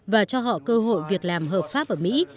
và cho họ cơ hội việc làm hợp pháp ở mỹ